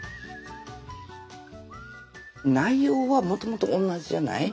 内容はもともと同じじゃない？